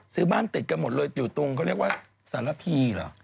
ซื้อบ้านติดกันหมดเลยอยู่ตรงเขาเรียกว่าสารพีเหรอ